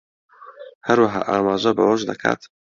هەروەها ئاماژە بەوەش دەکات